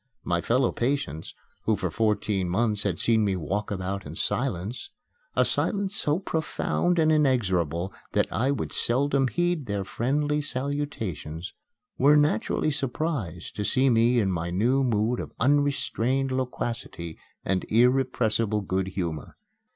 My fellow patients who for fourteen months had seen me walk about in silence a silence so profound and inexorable that I would seldom heed their friendly salutations were naturally surprised to see me in my new mood of unrestrained loquacity and irrepressible good humor.